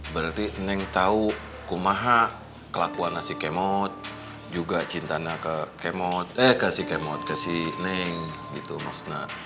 berarti neng tahu kemahak kelakuan si kemut juga cintanya ke kemut eh ke si kemut ke si neng gitu maksudnya